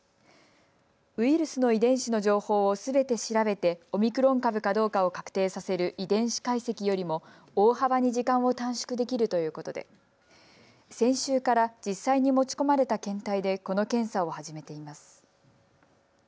ウイルスの遺伝子の情報をすべて調べてオミクロン株かどうかを確定させる遺伝子解析よりも大幅に時間を短縮できるということで先週から実際に持ち込まれた検体でこの検査を始めています。